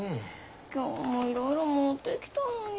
今日もいろいろ持ってきたのに。